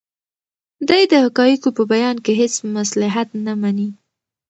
دی د حقایقو په بیان کې هیڅ مصلحت نه مني.